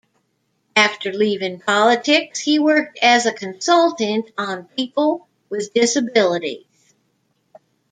After leaving politics he worked as a consultant on people with disabilities.